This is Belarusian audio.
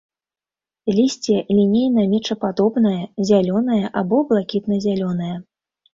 Лісце лінейна-мечападобнае, зялёнае або блакітна-зялёнае.